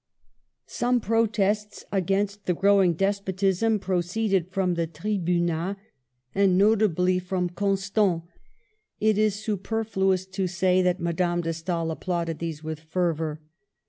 Some protests against the growing despotism proceeded from the Tribunat, and notably from Constant. It is superfluous to say that Madame de Stael applauded these with fervor.